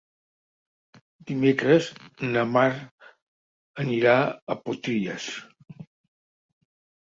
Dimecres na Mar anirà a Potries.